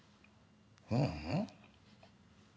ううん。